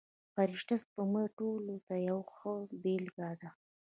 فرشته سپوږمۍ ټولو ته یوه ښه بېلګه ده.